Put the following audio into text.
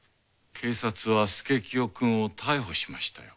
警察は佐清くんを逮捕しましたよ。